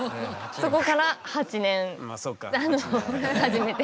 そこから８年初めて。